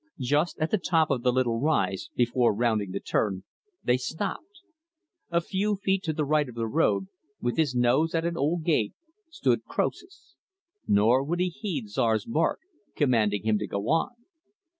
Just at the top of the little rise, before rounding the turn, they stopped. A few feet to the right of the road, with his nose at an old gate, stood Croesus. Nor would he heed Czar's bark commanding him to go on.